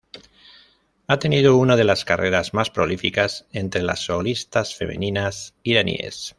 Ha tenido una de las carreras más prolíficas entre las solistas femeninas iraníes.